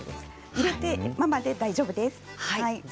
入れたままでも大丈夫です。